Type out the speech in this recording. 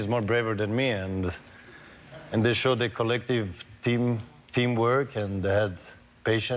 ผมก็แง่ขึ้นที่นี่